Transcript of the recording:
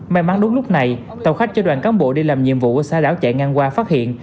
may mắn đúng lúc này tàu khách cho đoàn cán bộ đi làm nhiệm vụ ở xa lão chạy ngang qua phát hiện